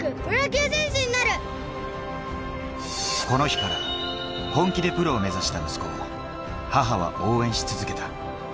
この日から本気でプロを目指した息子を母は応援し続けた。